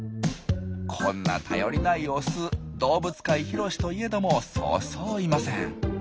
こんな頼りないオス動物界広しといえどもそうそういません。